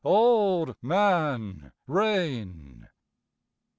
Old Man Rain.